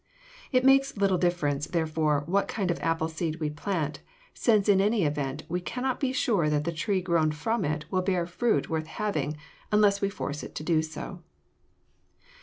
It makes little difference, therefore, what kind of apple seed we plant, since in any event we cannot be sure that the tree grown from it will bear fruit worth having unless we force it to do so.